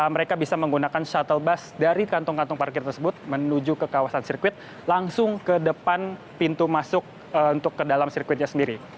mereka bisa menggunakan shuttle bus dari kantong kantong parkir tersebut menuju ke kawasan sirkuit langsung ke depan pintu masuk untuk ke dalam sirkuitnya sendiri